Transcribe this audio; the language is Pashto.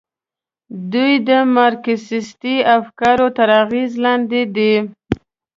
دوی د مارکسیستي افکارو تر اغېز لاندې دي.